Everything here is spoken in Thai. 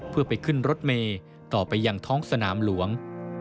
เพื่อไปขึ้นรถเมย์ต่อไปยังท้องสนามหลวง